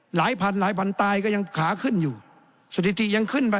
หลายพันหลายพันตายก็ยังขาขึ้นอยู่สถิติยังขึ้นไป